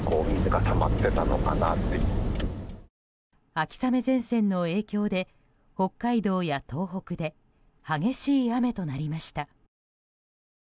秋雨前線の影響で北海道や東北で激しい雨となりました。